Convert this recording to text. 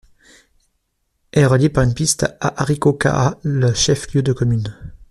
Elle est reliée par une piste à Arikokaha, le chef-lieu de commune.